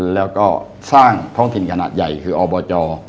แล้วก็สร้างท้องถิ่นขนาดใหญ่คืออบจ